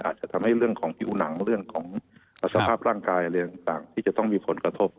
อาจจะทำให้เรื่องของผิวหนังเรื่องของสภาพร่างกายอะไรต่างที่จะต้องมีผลกระทบ